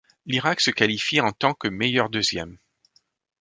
L'Irak se qualifie en tant que meilleur deuxième.